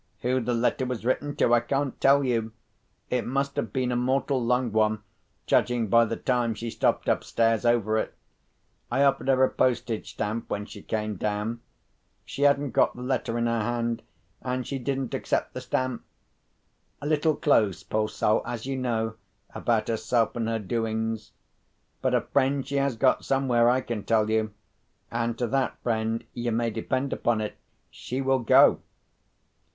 Who the letter was written to I can't tell you: it must have been a mortal long one, judging by the time she stopped upstairs over it. I offered her a postage stamp when she came down. She hadn't got the letter in her hand, and she didn't accept the stamp. A little close, poor soul (as you know), about herself and her doings. But a friend she has got somewhere, I can tell you; and to that friend you may depend upon it, she will go."